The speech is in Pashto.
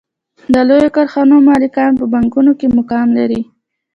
د لویو کارخانو مالکان په بانکونو کې مقام لري